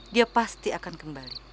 dia pasti akan kembali